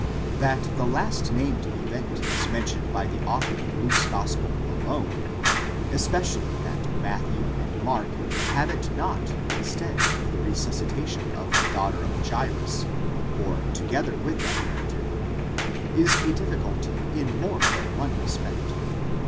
That the last named event is mentioned by the author of Luke's gospel alone ;—especially that Matthew and Mark have it not instead of the resuscita tion of the daughter of Jairus, or together with that narrative,—is a difficulty in more than one respect.